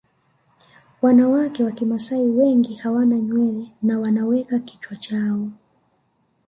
Wanawake wa Kimasai wengi hawana nywele na wanaweka kichwa chao